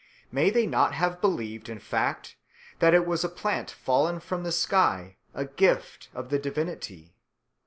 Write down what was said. May they not have believed, in fact, that it was a plant fallen from the sky, a gift of the divinity?"